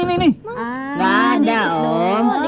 enggak ada om